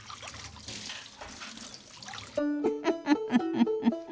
フフフフフ。